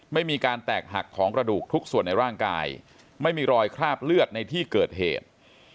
ไม่มีการแตกหักของกระดูกทุกส่วนในร่างกายไม่มีรอยคราบเลือดในที่เกิดเหตุ